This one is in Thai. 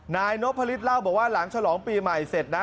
นายนพฤษเล่าบอกว่าหลังฉลองปีใหม่เสร็จนะ